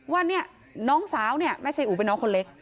ว่าเนี่ยน้องสาวเนี่ยแม่ชัยอู๋เป็นน้องคนเล็ก